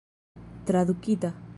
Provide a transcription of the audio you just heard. tradukita